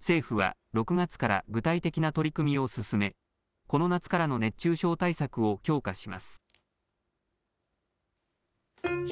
政府は６月から具体的な取り組みを進め、この夏からの熱中症対策を強化します。